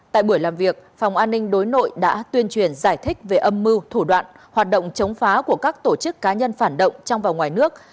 tại buổi làm việc phòng an ninh đối nội đã tuyên truyền giải thích về âm mưu thủ đoạn hoạt động chống phá của các tổ chức cá nhân phản động trong và ngoài nước